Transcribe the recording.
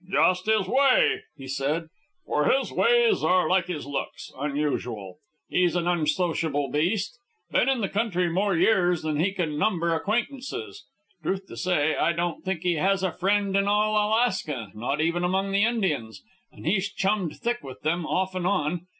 "Just his way," he said; "for his ways are like his looks, unusual. He's an unsociable beast. Been in the country more years than he can number acquaintances. Truth to say, I don't think he has a friend in all Alaska, not even among the Indians, and he's chummed thick with them off and on.